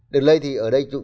đường lây thì ở đây